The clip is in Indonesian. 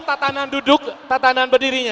tatanan duduk tatanan berdirinya